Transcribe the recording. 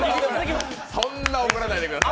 そんな怒らないでください。